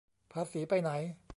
ภาษีไปไหน